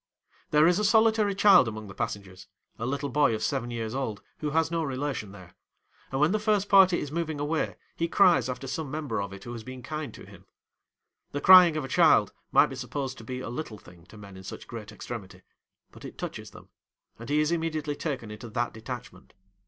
There is a solitary child among the passengers—a little boy of seven years old who has no relation there; and when the first party is moving away he cries after some member of it who has been kind to him. The crying of a child might be supposed to be a little thing to men in such great extremity; but it touches them, and he is immediately taken into that detachment.